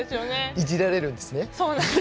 いじられるんですね。